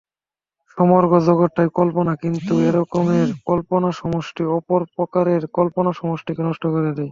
সমগ্র জগৎটাই কল্পনা, কিন্তু একরকমের কল্পনাসমষ্টি অপর প্রকারের কল্পনাসমষ্টিকে নষ্ট করে দেয়।